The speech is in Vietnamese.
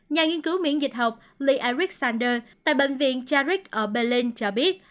nhà nghiên cứu miễn dịch học lee eric sander tại bệnh viện charik ở berlin cho biết